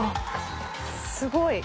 すごい。